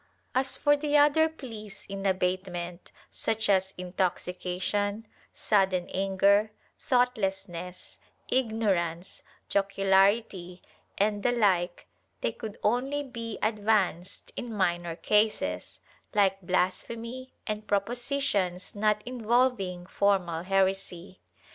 ^ As for the other pleas in abatement, such as intoxication, sudden anger, thoughtlessness, ignorance, jocularity and the like, they could only be advanced in minor cases, like blasphemy and propositions not involving formal heresy.